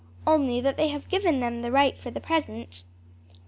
"Only that they have given him the right for the present."